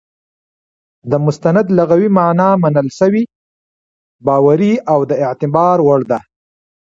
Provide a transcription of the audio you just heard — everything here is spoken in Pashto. د مستند لغوي مانا منل سوى، باوري، او د اعتبار وړ ده.